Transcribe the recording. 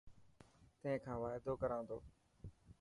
تين کان وعدو ڪران تو.